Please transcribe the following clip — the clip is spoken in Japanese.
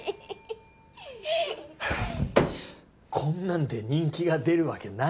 こんなんで人気が出るわけないでしょ。